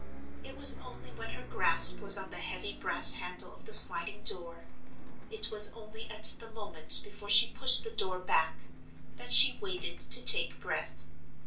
It was only when her grasp was on the heavy brass handle of the sliding door—it was only at the moment before she pushed the door back—that she waited to take breath.